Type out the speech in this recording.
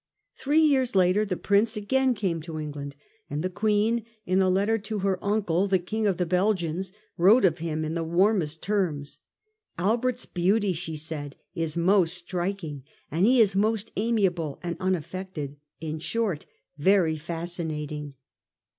Three years later the Prince again came to England, and the Queen, in a letter to her uncle, the King of the Belgians, wrote of him in the warmest terms. ' Albert's beauty,' she said, ' is most striking, and he is most amiable and unaffected — in short, very fascinating.